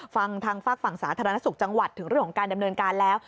ฟังทางฝากฝั่งสาธารณสุขจังหวัดถึงเรื่องของการดำเนินการแล้ว